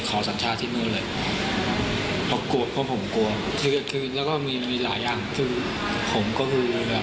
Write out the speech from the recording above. ก็คือบอกว่าผมเหมือนกลับมาอยู่ที่สังครมจีน